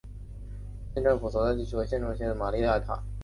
县政府所在地位于县中心的玛丽埃塔。